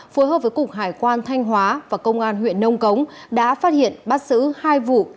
phối hợp với cục hải quan thanh hóa và công an huyện nông cống đã phát hiện bắt xử hai vụ